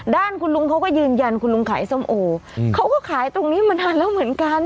ด้านคุณลุงเขาก็ยืนยันคุณลุงขายส้มโอเขาก็ขายตรงนี้มานานแล้วเหมือนกัน